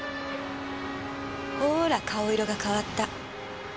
ほーら顔色が変わった。